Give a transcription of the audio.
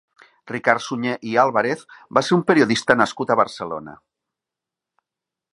Ricard Suñé i Álvarez va ser un periodista nascut a Barcelona.